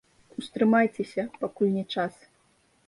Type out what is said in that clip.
Устрымайцеся, пакуль не час.